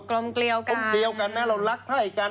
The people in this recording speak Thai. กลมเกลียวกันเรารักให้กัน